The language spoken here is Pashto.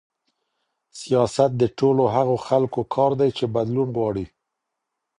سياست د ټولو هغو خلګو کار دی چي بدلون غواړي.